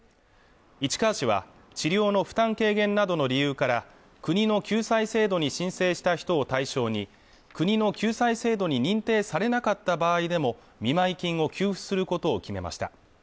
市川市は治療の負担軽減などの理由から国の救済制度に申請した人を対象に国の救済制度に認定されなかった場合でも見舞金を給付することを決めました